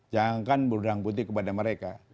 jangan berhutang budi kepada mereka